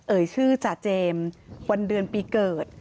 เอ่ยชื่อจ่าเจมส์วันเดือนปีเกิด